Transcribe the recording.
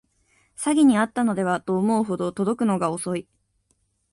詐欺にあったのではと思うほど届くのが遅い